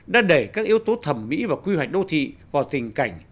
đã đẩy các yếu tố thẩm mỹ và quy hoạch đô thị vào tình cảnh